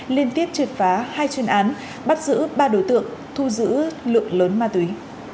liên tiếp triệt phá hai chuyên án bắt giữ ba đối tượng thu giữ lượng lớn ma túy